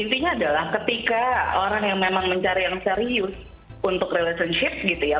intinya adalah ketika orang yang memang mencari yang serius untuk relationship gitu ya